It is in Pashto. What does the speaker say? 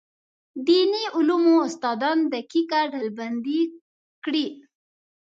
دیني علومو استادان دقیقه ډلبندي کړي.